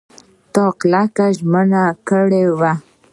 تا کلکه ژمنه کړې وه !